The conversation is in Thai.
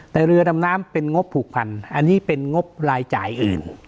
แต่เรือดำน้ำเป็นงบผูกพันอันนี้เป็นงบรายจ่ายอื่น